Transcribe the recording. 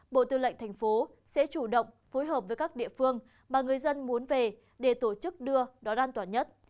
bộ tư lệnh thành phố sẽ chủ động phối hợp với các địa phương mà người dân muốn về để tổ chức đưa đón an toàn nhất